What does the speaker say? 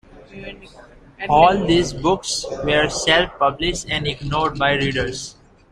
All these books were self-published and ignored by readers.